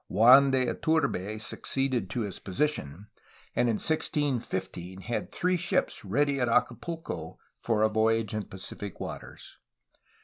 Juan de Iturbe succeeded to his position, and in 1615 had three ships ready at Acapulco for a voyage in Pacific waters.